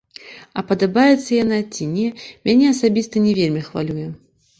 А падабаецца яна ці не, мяне асабіста не вельмі хвалюе.